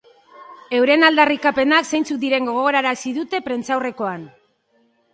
Euren aldarrikapenak zeintzuk diren gogorarazi dute prentsaurrekoan.